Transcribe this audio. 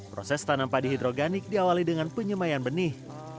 proses tanam padi hidroganik diawali dengan penyemayan benih